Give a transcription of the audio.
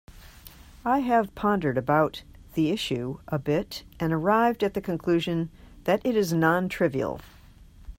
I have pondered about the issue a bit and arrived at the conclusion that it is non-trivial.